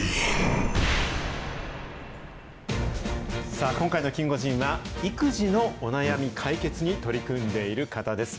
さあ、今回のキンゴジンは育児のお悩み解決に取り組んでいる方です。